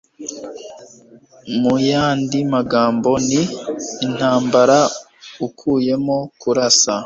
mu yandi magambo, ni intambara ukuyemo kurasa